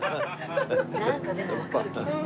なんかでもわかる気がする。